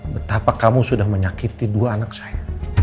betapa kamu sudah menyakiti dua anak saya